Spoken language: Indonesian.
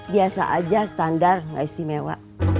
biasa aja standar nggak istimewa